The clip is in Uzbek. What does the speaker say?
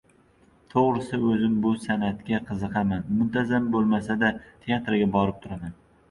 Toʻgʻrisi oʻzim bu sanʼatga qiziqaman, muntazam boʻlmasada teatrga borib turaman.